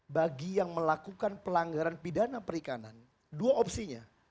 bagi yang melakukan pelanggaran pidana perikanan dua opsinya